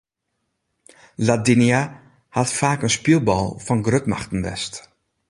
Ladinia hat faak in spylbal fan grutmachten west.